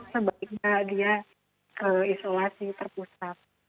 sebaiknya dia ke isolasi terpusat